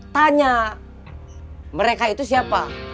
tanya mereka itu siapa